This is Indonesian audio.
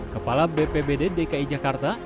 kepala bpbd dki jakarta